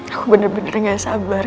aku bener bener gak sabar